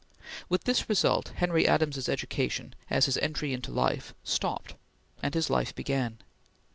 With this result Henry Adams's education, at his entry into life, stopped, and his life began.